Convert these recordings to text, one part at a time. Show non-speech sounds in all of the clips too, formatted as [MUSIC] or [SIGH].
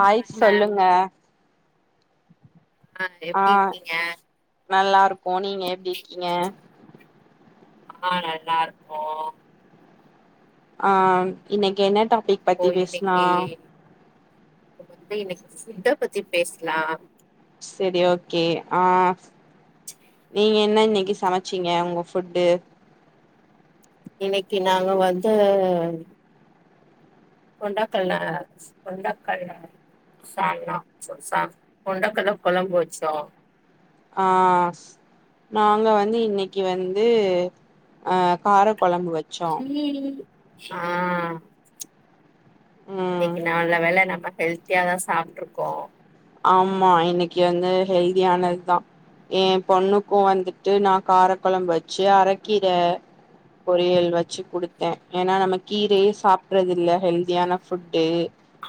hi ma'am சொல்லுங்க அ எப்டி இருக்கீங்க நல்லாருக் போனீங்க எப்டி இருக்கீங்க அ நல்லாருக்கோ அ ம் இன்னைக் என்ன டாப் பிக் இப்போ பத்தி பேச்லா இன்னைக்கு வந்து இன்னைக்கு [UNINTELLIGIBLE] பத்தி பேச்லா சரி ஓகே அ நீங்க என்ன இன்னைக்கு சமைச்சீங்க உங்க ஃபுட்டு இன்னைக்கு நாங்க வந்து கொண்டக்கல்ல ச கொண்டக்கல்ல சால்னா சா சால் கொண்டக்கல்ல கொலம்பு வெச்சோ அ நாங்க வந்து இன்னைக்கு வந்து அ கார கொலம்பு வச்சோ அ ம் இன்னிக்கு நல்ல வேல நம்ம ஹெல்த்தியாதா சாப்ட்டுருக்கோ ஆமா இன்னைக்கு வந்து ஹெல்தியானது தா எ பொண்ணுக்கு வந்துட்டு நா காரக்கொலம்பு வச்சு அரக்கீர பொரியல் வச்சு குடுத்தே ஏனா நம்ம கீரயே சாப்ட்றது இல்ல ஹெல்தியான ஃபுட்டு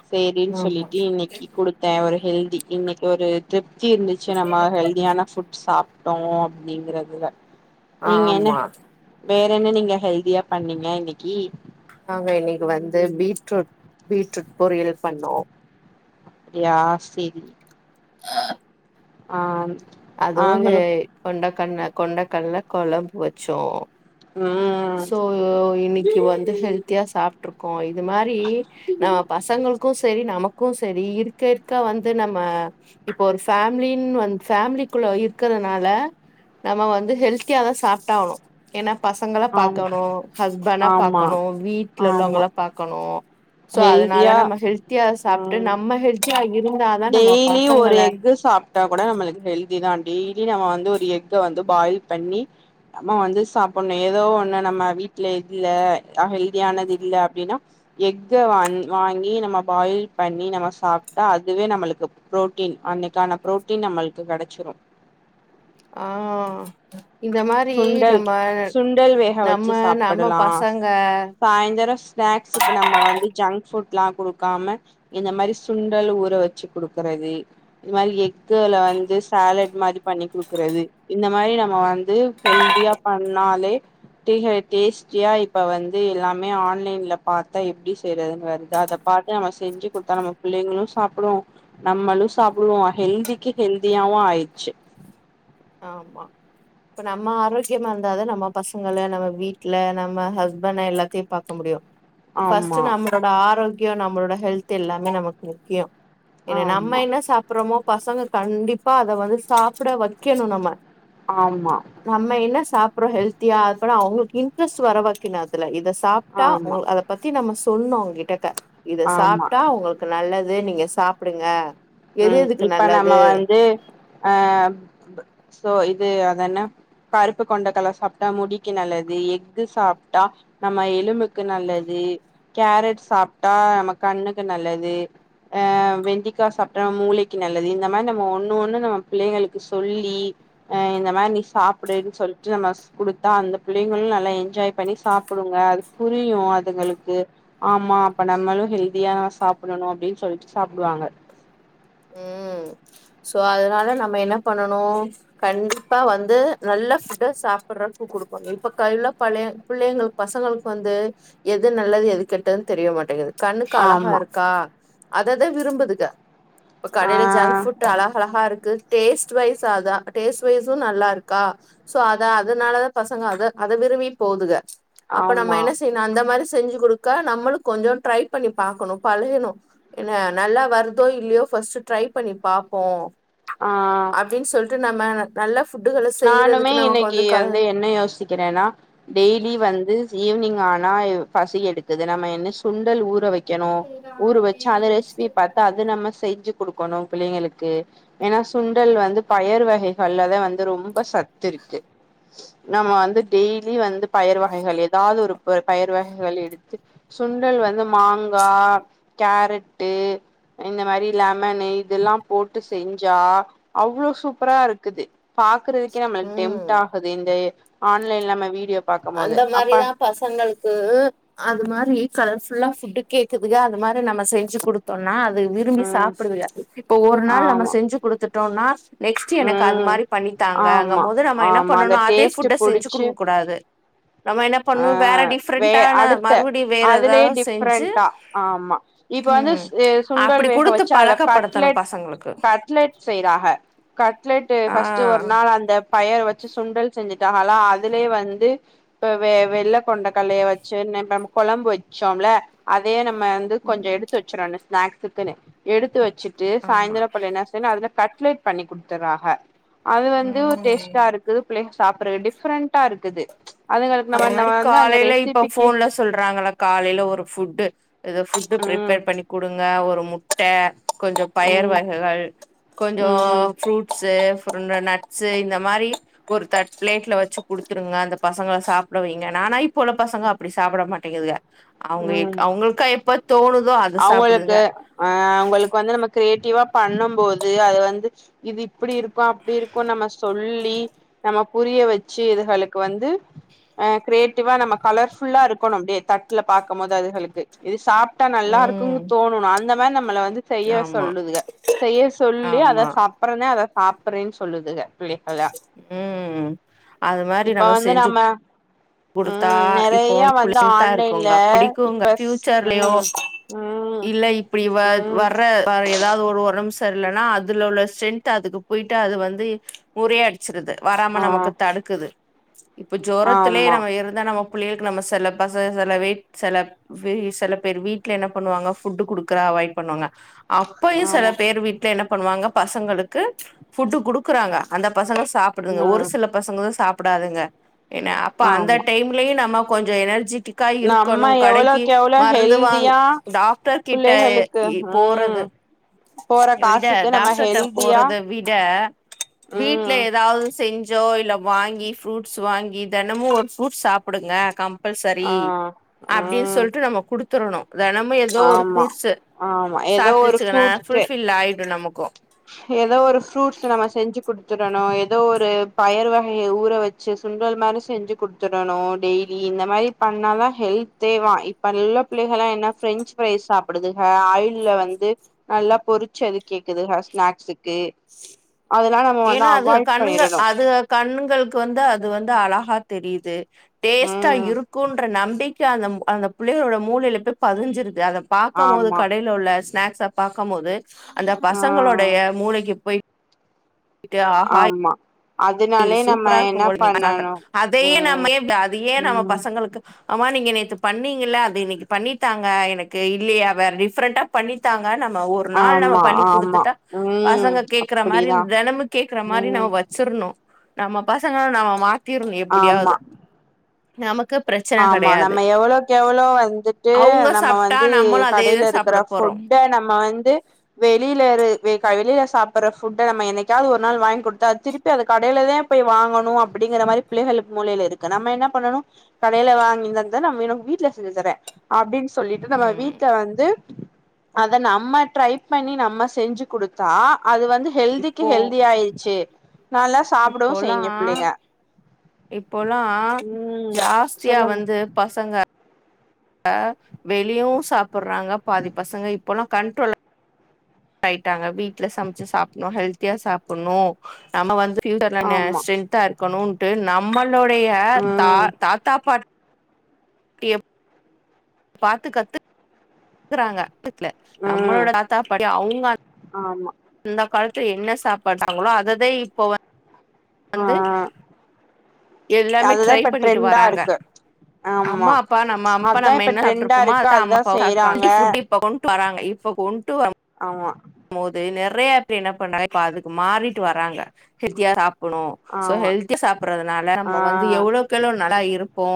சேரின்னு ஆமா சொல்லிட்டு இன்னைக்கு குடுத்தே ஒரு ஹெல்தி இன்னைக்கு ஒரு திப் தி இருந்துச்சு நம்ம ஹெல்தியான ஃபுட் சாப் ட்டோ அப்டிங்கிற்துல அ ஆம்மா வேற என்ன நீங்க ஹெல்தியா பண்ணீங்க இன்னிக்கி நாங்க இன்னிக்கு வந்து பீட்ரூட் பீட்ரூட் பொரியல் பண்ணோ அப்புடியா செரி [INAUDIBLE] அ அதுவு எ கொண்ட இல்ல கொண்டைக்கல்ல கொழம்பு வெச்சோ ம் இன்னிக்கி வந்து ஹெல்தியா சாப்ட்டுருக்கோ இந்த மாரி நா பசங்களுக்கு செரி நமக்கு செரி இருக்க இருக்க வந்து நம்ம இப்போ ஒரு ஃபேமிலின்னு வந் ஃபேமிலி குள்ள இருக்கறனால நம்ம வந்து ஹெல்த்தியா தா சாப்டகணு ஏன்னா பசங்கள ஆம் பாக்கணு ஹஸ்பண ஆமா பாக்கணு வீட்ல ஆமா உள்ளவங்ள பாக்கணு சோ அதனால ஹெல்தியா நம்ம ஹெல்தியா சாப்ட்டு ம் நம்ம ஹெல்தியா டெய்லி ஒரு எக்கு சாப்ட்டா கூட நம்மளுக் ஹெல்தி தா டெய்லி நம்ம வந்து ஒரு எக்க வந்து பாயில் பண்ணி நம்ம வந்து சாப்பிடணு ஏதோ ஒண்ணு நம்ம வீட்டுல இல்ல ஹெல்தியானது இல்ல அப்படின்னா எக்க வாங்கி நம்ம பாயில் பண்ணி நம்ம சாப்பிட்டா அது இதுவே நம்மளுக்கு புரோட்டீன் அன்னைக்கான புரோட்டீன் நம்மளுக்கு கெடைச்சிரு ஆ இந்த மாரி சுண்டல் நம்ம சுண்டல் வேக நம்ம வச்சு நம்ம சாப்பிடலா பசங்க சாய்ந்தரோ ஸ்நாக்ஸுக்கு நம்ம வந்து ஜங்க் ஃபுட் லம் குடுக்காம இந்த மாரி சுண்டல் ஊற வச்சு குடுக்கறது இந்த மாரி எக்குல வந்து சாலட் மாரி பண்ணி குடுக்கறது இந்த மாரி நம்ம வந்து து ஹெல்தியா பண்ணாலே டி டேஸ்ட்டியா இப்ப வந்து எல்லாமே ஆன்லைன்ல பார்த்தா எப்படி செய்யறதுன்னு வருது அதை பாத்து நம்ம செஞ்சு கொடுத்தா நம்ம பிள்ளைங்களு சாப்பிடுவோ நம்மளும் சாப்பிடுவோ ஹெல்திக்கு ஹெல்தியாவு ஆயிடுச்சு ஆமா இப்ப நம்ம ஆரோக்கியமா இருந்தாத நம்ம பசங்க நம்ம வீட்டுல நம்ம ஹஸ்பண்ட எல்லாத்தையு பாக்க முடியு ஃபர்ஸ்ட் ஆமா நம்மளோட ஆரோக்கிய முக்கியோ நம்மளோட ஹெல்த் எல்லாமே நமக்கு முக்கியோ என்ன நம்ம ஆமா என்ன சாப்பிடுறோமோ பசங்க கண்டிப்பா அத வந்து சாப்பிட வந்து வைக்கணு நம்ம ஆமா நம்ம என்ன சாப்ப அப்புறோ ஹெல்தியா அட அவங்களுக்கு இன்டெரெஸ்ட் வர வெக்கணு அதுல இத சாப்பிட்டா ஆமா உங்க அத பத்தி நம்ம சொல் சொன்ன உங்ககிட்ட இத ஆமா சாப்பிட்டா உங்களுக்கு நல்லது து நீங்க சாப்பிடுங்க உம் இப்ப நம்ம வந்து ஆ சோ இது அது என்ன கருப்பு கொண்டக்கலை சாப்பிட்டா முடிக்கு நல்லது எக்கு சாப்பிட்டா நம்ம எலும்புக்கு க்கு நல்லது கேரட் சாப்பிட்டா நம்ம கண்ணுக்கு நல்லது அ வெண்டைக்கா சாப் மூளைக்கு நல்லது இந்த மாரி நம்ம ஒண்ணு ஒண்ணு நம்ம பிள்ளைங்களுக்கு சொல்லி ஆ இந்த மாரி நீ சாப்பிடுன்னு சொல்லிட்டு நம்ம கொடுத்தா அந்த பிள்ளைங்களும் நல்ல என்ஜாய் பண்ணி சாப்பிடுங்க அது புரியு அதுங்களுக்கு ஆமா அப்ப நம்மளும் ஹெல்தியா நம்ம சாப்பிடணும் அப்படின்னு சொல்லிட்டு சாப்பிடுவாங்க உம் சோ அதனால நம்ம என்ன பண்ணணு கண்டிப்பா வந்து நல்ல ஃபுட்ட சாப்பிடுறது குடுக்கணு இப்ப கைலல்ல பழைய புள்ளைங்களுக்கு வந்து பசங்களுக்கு வந்து எது நல்லது எது கெட்டதுன்னு தெரிய மாட்டேங்குது கண்ணுக்கு அழகா ஆமா இருக்கா அததா விரும்புதுங்க இப்ப ஆ கடையில ஜங்க் ஃபுட் அழக அழகா இருக்கு டேஸ்ட் வைஸ் அதா டேஸ்ட் வைஸு நல்லா இருக்கா சோ அத அதனாலதா பசங்க அத அத விரும்பி போதுக அப்ப நம்ம ஆமா என்ன செய்யணு அந்த மாரி செஞ்சு கொடுக்கா நம்மளுக்கு கொஞ்சு ட்ரை பண்ணி பாக்கணு பழையணு என்ன நல்லா வருதோ இல்லையோ ஃபஸ்ட் ட்ரை பண்ணி பாப்போ ஆ டு நம்ம நல்ல ஃபுட்டுகள நானுமே செய்யறதுக்கு நமக்கு இன்னைக்கு க வந்து என்ன யோசிக்கிறேன்னா டெய்லி வந்து ஈவினிங் ஆனா பசி எடுக்குது நம்ம என்ன சுண்டல் ஊற வைக்க கணு ஊற வச்சு அந்த ரெசிபி பாத்தா அத நம்ம செஞ்சு கொடுக்கணு பிள்ளைங்களுக்கு ஏன்னா சுண்டல் வந்து பயர் வகைகள்ல வந்து ரொம்ப சத்து இருக்கு நம்ம வந்து டெய்லி வந்து பயர் வகைகள் ஏதாவது ஒரு பயர் வகைகள் எடுத்து சுண்டல் வந்து மாங் மாங்கா கேரட் ட்டு இந்த மாதிரி லெமனு இதெல்லாம் போட்டு செஞ்சா அவ்வளோ சூப்பரா இருக்குது பாக்குறதுக்கே நம்மளுக் டெம்ட் ம் ஆகுது இந்த ஆன்லைன்ல நம்ம வீடியோ பாக்கும் போது அந்த அப்ப மாரிதா பசங்களுக்கு அது மாரி கலர் ஃபுல் ஃபுல்லா ஃபுட்டு கேக்குது அது மாரி நம்ம செஞ்சு கொடுத்தோம்னா அது விரும்பி ம் சாப்புடுதுக இப்போ ஒரு நாள் நம்ம ஆமா செஞ்சி கொடுத்துட் டோனா நெக்ஸ்ட் எனக்கு அது ம் மாரி பண்ணித்தாங்க அங்க ஆமா போது நம்ம என்ன ஆமா அந்த பண்ணனும் அதே ஃபுட் செஞ்சு குடுக்க கூடாது நம்ம என்ன பண்ணு வேற ஆஹ் வே டிஃப்ரெண்டான அடுத்த மறுபடி வேற அதுலயே ஏதாவது செஞ்சு டிஃப்ரெண்டா ஆ ஆமா இப்ப வந்து ம் சுண்டல் அப்படி வேக குடுத்து வெச்சு அதுல பழக்கப்படுத்தணு கட்லெட் பசங்களுக்கு கட்லெட் செய்றாங்க கட்லெட் ஆ ஃபஸ்ட் ஒரு நாள் அந்த பயர் வெச்சு சுண்டல் செஞ்சுட்டாங்கனா அதுலயே வந்து இ வெள்ள கொண்ட கடலைய வெச்சு நேத் நம்ம கொழம்பு வெச்சோம்ல அதே நம்ம நம்ம வந்து கொஞ்சோ எடுத்து வெச்சுறனு ஸ்நேக் த்த எடுத்து வெச் வெச்சுட்டு ஆமா சாயந்திரோ போல என்ன செய்யனு அதுல கட்லட் பண்ணி குடுத்துட்றாக அது வந்து ம் டேஸ்ட்டா இருக்குது பிள்ளைக சாப்புட்றது டிஃப்ரெண்டா இருக்குது அதுங்களுக்கு அது நம்ம மாரி நம்ம வந்து அந்த காலைல இப்ப ரெசிபிக்கு ஃபோன்ல சொல்றாங்கள காலைல ஒரு ஃபுட்டு ஏதோ ஃபுட் ஃபுட் ம் ப்ரீபேர் பண்ணி குடுங்க ஒரு முட்ட கொஞ்சோ பயர் ம் வகைகள் கொஞ்சோ ம் ஃப்ரூட்சு இந்த நட்ஸ் இந்த மாரி ஒரு தட் பிளேட்ல வெச்சி குடுத்துருங்க அந்த பசங்க சாப் சாப்பிட வெய்ங்க ஆனா இப்போ உள்ள பசங்க அப்டி சாப்பிட மாட்டேங்குதுங்க அவுங்க அவுங்களுக்கா எப்ப தோணு அவுங்களுக்கு அ அவுங்களுக்கு வந்து நம்ம கிரியேட்டிவா பண்ணும் போது அது வந்து இது இப்டி இருக்கோ அப்டி இருக்கோ நம்ம சொல்லி நம்ம புரிய வெச்சு இதுகளுக்கு வந்து அ கிரியேட்டிவா நம்ம கலர்ஃபுல்லா இருக்கணும் அப்டியே தட்டுல பாக்குபோது அதுகளுக்கு இது சாப்ப நல்லா ம் தோணனும் அந்த மாரி நம்மல வந்து செய்ய ஆமா சொல்லுதுங்க செய்ய சொல்லி அத ஆமா சாப் அப்றோந்தா அத சாப்டறேன்னு சொல்லுதுக பிள்ளைகள ம் அது மாரி இப்ப நம்ம வந்து செஞ்சுக் குடுத்தா ம் இப்போ நெறைய வந்து புள்ளைங் ஸ்ட்ரெந்தா ஆன்லைன்ல இருக்குங்க புடிக்குங்க இப்ப ஸ் ப்ஃயூச்சர்லயோ ம் ம் இல்ல இப்டி வ ம் வர்ற வ ஏதாவது ஒரு வருடம்ஸ் தெர்லேனா அதுல உள்ள ஸ்ட்ரென்த் அதுக்கு போயிட்டு அத வந்து முறையடிச்சிருது வராம ஆ நமக்கு தடுக்குது இப்போ ஜொரத் லே ஆமா நம்ம இருந்தா நம்ம பிள்ளைளுக்கு நம்ம செல பசங் செல வீட் செல செல பேர் வீட்டுல என்ன பண்ணுவாங்க ஃபுட் குடுக்குற அவாய்ட் பண்ணுவாங்க அப்பயு செல ஆமா பேர் வீட்டுல என்னப் பண்ணுவாங்க பசங்களுக்கு ஃப்புட்டு் குடுக்குறாங்க அந்த பசங்க சாப்புறதுங்க ஒரு ம் சில பசங்கதா சாப் ப்புடாதுங்க என்ன ப்ப அந்த ஆமா டைம்லயும் நம்ம கொஞ்சோ எனர்ஜி க்க நம்ம இருக்கணு கடைக்கி எவ்வளோக்கு எவ்ளோ மறந்துவாங்க ஹெல்தியா டாக்டர் கிட்ட புள்ளைகளுக்கு போறது ம் போற விட காசுக்கு நம்ம டாக்டர் ஹெல்தியா போறத விட வீட்ல ம் ஏதாவது செஞ்சு ஜோ இல்ல வாங்கி ஃப்ரூட்ஸ் வாங்கி தண் தெனமும் ஒரு ஃபுரூட் சாப்பிடுங்க கம்ப் சரி ஆ அப்டின்னு ம் சொல்லிட்டு நம்ம குடுத் த்துறனு தெனமும் ஏதோ ஒரு ஆமா ஃரூட்ஸ் ஆமா ஏதோ ஒரு சாப்பிட்டுச்சுக்கன்னா ஃப்ரூட்ஸ் ஃபுல்பில் ஆயிடும் நமக்கு ஏதோ ஒரு ஃப்ரூட்ஸ் நம்ம செஞ்சு குடுத்துடணு ஏதோ ஒரு பயர் வகைய ஊற வச்சு சுண்டல் மாரி செஞ்சு குடுத்துடணும் டெய்லி இந்த மாதிரி பண்ணாதா ஹெல்த்தேவான் இப்ப நல்ல புள்ளகெலா என்ன பிரெஞ்சு ஃரைஸ் சாப்புடுதுக ஆயில்ல வந்து நல்லா பொறிச்சது கேக்குதுக ஸ்நாக்ஸுக்கு அதெல்லா நம்ம வந்து ஏன்னா அது அவாய்ட் கண்கள் பண்ணிரணு அது கண்களுக்கு வந்து அது வந்து அழகாத் தெரியுது டேஸ்ட்டா ம் இருக்குன்ற நம்பிக் அந்த அந்த புள்ளைகளோட மூளையில போய் பதிஞ்சிருது அதப் பாக்க போது ஆமா கடையில உள்ள ஸ்நாக்ஸ் ப்கும் போது அந்த ஆ பசங்களுடைய மூளைக்கு போய் இட்டு அ ஆஹாய ஆமா இது அதனாலே நம்ம சூப்பரா என்ன இருக்கும் போது நீங்க சான்ற பண்ணணு அதையே ம் நம்ம ஏ அதையே நம்ம ம் பசங்களுக்கு ஆமா நீங்க நேத்து பண்ணீங்க அது இன்னைக்கி பண்ணித்தாங்க எனக்கு இல்லையா வேற டிஃப்ரெண்டா பண்ணித்தாங் ங்க நம்ம ஒரு நாள் நம்ம ஆமா பண்ணி ஆமா குடுத்துட்டா ம் பசங்க கேக்குற மாரி அப்படிதா தெனமு கேக்குற மாரி நம்ம ம் வச்சுர்ணு நம்ம பசங்க நம்ம மா திர்னு ஆமா எப்டியாவது நமக்குப் ஆமா நம்ம எவ்ளோக்கெவ்ளோ வந்துட்டு அவங்க நம்ம சாப்ட்டா வந்து நம்மளும் அதேதா கடையில இருக்கிற சாப்ட போறோம் ஃபுட்ட நம்ம வந்து வெளியில இரு வ க வெளில சாப்புர்ற ஃபுட்ட நம்ம என்னைக்காவது ஒரு நாள் வாய்ங் குடுத்தா அத திருப்பி அத கடைலெதா பொய் வாங்கணூ அப்படிங்கிற மாதிரி பிள்ளைகளுக்கு மூளைல இருக்கு நம்ம என்ன பண்ணணு கடைல வாங்கிதந்த நம்மினு வீட்ல செஞ்சு தரே அப்டின் சொல்லிட்டு நம்ம ம் வீட்ல வந்து அத நம்ம ட்ரை பண்ணி நம்ம செஞ்சு குடுத்தா அது வந்து ஹெல்திக்கு ஹெல்தி ஆயிர்ச்சி நால்லா இப்போல்லா இப்பொலா ம் ஜாஸ் சியா சொல்லுங்க வந்து பசங்க அ வெளியவு சாப்புட்றாங்க பாதி பசங்க இப்பொலா கண்ட்ரோல அய்ட்டாங்க வீட்ல சமச்சு சாப்புட்ணு ஹெல்த் தியா சாப்புட்ணு நம்ம வந்து திண்டநன்ன ஆமா ஸ்டென்த்தார் கணுன்ட்டு நம்மல் லோடைய தா ம் தாத்தா பாட் கியப் பாத்து கத்து க்குறாங்க ட்ல ம் நம்மளோட தாத்தா பாட்டி அவுங்க ஆமா அந்த காலத்து என்ன சாப்பாட்டாங்ளோ அததா இப்போ வ ஆ வந்து எல்லாமே அதுதா ட்ரை இப்ப பண்ணிட்டு ட்ரெண்டா வராங்க இருக்கு ஆமா அம்மா அப்பா நம்ம அம்ப்பா அதா நம்ம இப்ப என்ன ட்ரெண்டா சாப்ட்ருப்போமோ இருக்கு அத அம்மா அதுதா அப்பா செய்யறாங்க சாப்ட்ருப்பாங்க ஃவுட் இப்ப கொண்ட்டு வராங்க இப் இப்ப ஹொம்ட்டூ அப் ஆமா மோது நெறைய்யா இப்டி என்ன பண்ணாங் இப்ப அதுக்கு மாறிட்டு வராங்க ஹெல்த்தியா சாப் புனு சோ ஆமா ஹெல்தியா சாப்றதுனால ஆ நம்ம வந்து எவ்வுளோக்கெளோ நலா இரு ப்போ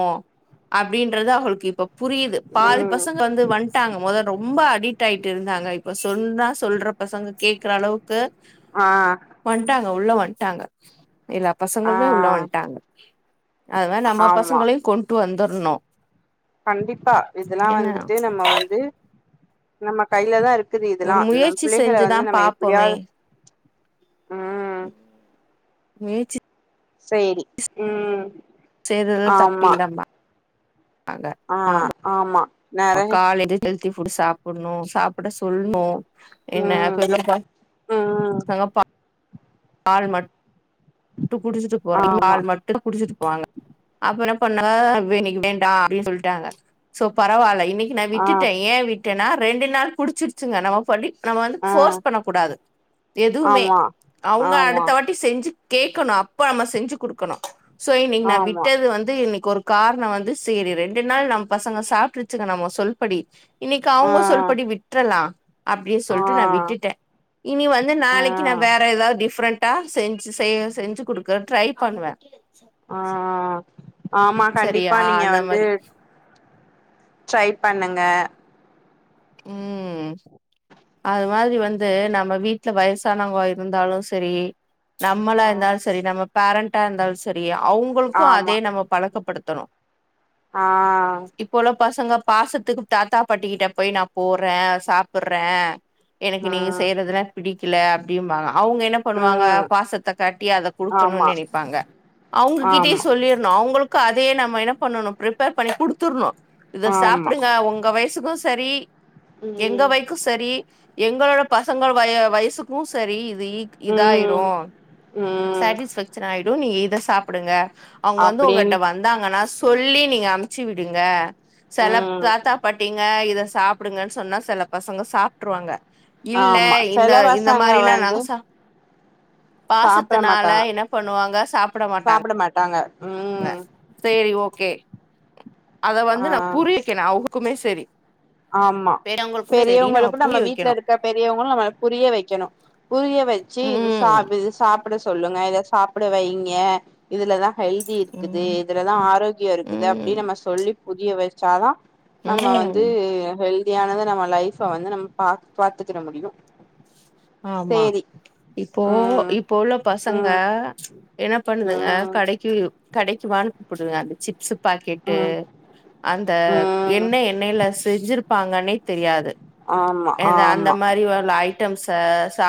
அப்டின்றது அவுகளுக்கு இப்பொ புரியுது பாதி ம் பசங்க வந்து வன்ட்டாங்க முத ரொம்ப அடிட் ஆயிட் டிருந்தாங்க இப்ப சொன்னாஸ் சொல்ற பசங்க கேக்றளவுக் கு ஆ வன்ட்டாங் உள்ள வன்ட்டாங்க எல்லா ஆ பசங்களுமே உள்ள வண்ட்டாங்க அதுத நம்ம ஆமா பசங்களையு கொண்ட்டு வந்தோ நோ கண்டிப்பா இதெலா வந்துட்டு நம்ம வந்து நம்ம கைலதா ருக்குது இதெலா ஒரு நம் முயற்சி பிள்ளைகள செஞ்சுதா வந்து நம்ம எப்பிடியா ம் முயற்ச்சி செரி ம் செய்தது தப்பு இல்லம்ப அ ஆமா நெறை [UNINTELLIGIBLE] எல்த்தி ஃபுட் சாப்டணு சாப்ட சொல்ணு ம் என்னப்ல இல்லப்பா ம் போங்க பா பால் மட் குடுச்சுட்டு போறாங்க ஆமா பால் மட்டு குடுச்சுட்டு போவாங்க அப்ப ன்ன பண்ணாங்க இண்னைக்கு வேண்டா அப்டின்னு சொல்ட்டாங்க சோ பரவால்ல இன்னைக்கு நா ஆ விட்டுடே ஏன் விட் ன்னா ரெண்டு நாள் குடிச்சிருச்சுங்க நம்ம சொல்லி நம்ம வந்து ஆ ஃபோர்ஸ் பண்ணக்கூடாது எதுவுமே ஆமா அவுங்க ஆமா அடுத்த வாட்டி செஞ்சு கேட்கணு அப்ப நம்ம செஞ்சு கொடுக்கணு சோ இன்னைக்கு நான் ஆமா விட்டது வந்து இன்னைக்கு ஒரு காரணோ வந்து செரி ரெண்டு நாள் நம்ப பசங்க சாப்பிருச்சுங்க நம் சொல்படி இன்னைக்கு அவுங்க ஆ சொல்படி விட்டுரலாம் அப்டின்னு ஆ சொல்லிட்டு நான் விட்டுட்டே இனி வந்து ஆ நாளைக்கு நான் வேற ஏதாவது டிஃப்ரெண்டா சென்ஞ் செய்ய செஞ்சு குடுக்க ட்ரை பண்ணுவே ச ஆ ஆமா கண்டிப்பா நீங்க வந்து ட் ட்ரை பண்ணுங்க ம் அது மாதிரி வந்து நம்ம வீட்ல வயசானவங்க இருந்தாலும் செரி நம்மளா இருந்தாலும் செரி நம்ம பேரண்டா இருந்தாலும் சரியா அவுங்களுக்கும் அதே நம்ம பழக்கப்படுத்தும் த்தணும் ஆஹ் பசங்க பாசத்துக்கு தாத்தா பாட்டிக்கிட்ட போய் நான் போறேன் சாப்பிடுறேன் எனக்கு நீங்க ம் செய்யறதுல பிடிக் கில அப்படியும்ன்பாங்க அவுங்க என்ன பண்ணுவாங்க ம் பாசத்த காட்டி அத கொடுக்கணுனு ஆமா நினைப்பாங்க அவங்ககிட்டே ஆமா சொல்லிடணும் அவங்களுக்கு அதையே நம்ம என்ன பண்ணணும் பிர்பேர் பண்ணி குடுத்துர்ணும் இத ஆமா சாப்பிடுங்க உங்க வயசு க்கும் சரி எங்க ம் வைக்கும் சரி எங்களோட பசங்கள் வய வயசுக்கும் சரி ம் இதாயிரும் ம் சேட்டிஸ்பேக்ஷன் ஆயிடும் நீ இத சாப்பிடுங்க அவுங்க வந்து அப்டின் உங்ககிட்ட வந்தாங்கன்னா சொல்லி நீங்க அமுச்சு விடுங்க சில ம் தாத்தா பாட்டீங்க இத சாப் சாப்டுங்கன்னு சொன்னா சில பசங்க சாப்பிட்டுருவாங்க இல்ல ஆமா இந்த சில இந்த பசங்க மாரிலா வந்து நகசா சாப்ட பாசத்துனால மாட்டாங்க என்ன பண்ணுவாங்க சாப்ட மாட்டாங்க மாட்டாங்க ம் சேரி ஓ கே அத ஆ வந்து நா புரியக்கணூ அவர்க்குமே ஸ் தெரி ஆமா பெரியவங்களுக்கூ நம்ம வைக்கணு வீட்லருக்க பெரியவங்களூ நம்மள புரிய வெக்கணூ புரிய வச்சு இது ம் சாப் இது சாப் ப்ட சொல்லுங்க இத சாப்ட வைங்க இதுலதா ஹெல்தி இருக்குது ம் இதுலதா ஆரோக்கியோ இருக்குது அப்டின் ம் நம்ம சொல்லி புரிய வச் சதா நம்ம வந்து ம் ஹெல்தியானது நம்ம லைஃப வந்து நம்ம பாக் பாத்துக்கிற முடியூ ஆமா இப்போ ம் இப்போ உள்ள பசங்க ம் என்ன பண்ணுதுங்க ம் கடக்கி கடக்கி வான்னு புடுது அந்த சிப்ஸுப் பாக்கெட்டு ம் அந்த ம் என்ன எண்ணேல செஞ்சிருப்பாங்கன்னே தெரியாது ஆமா இது அந்த ஆமா மாரி ஒரு லை டம்ஸ் த சாப்